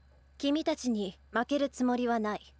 君たちに負けるつもりはない。